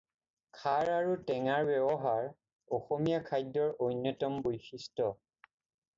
খাৰ আৰু টেঙাৰ ব্যৱহাৰ অসমীয়া খাদ্য অন্যতম বৈশিষ্ট।